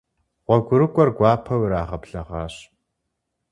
ГъуэгурыкӀуэр гуапэу ирагъэблэгъащ.